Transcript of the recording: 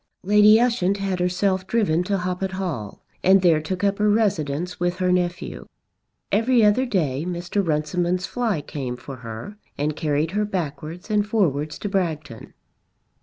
Lady Ushant had herself driven to Hoppet Hall, and there took up her residence with her nephew. Every other day Mr. Runciman's fly came for her and carried her backwards and forwards to Bragton.